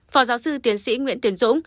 phòng giáo sư tiến sĩ nguyễn tiến dũng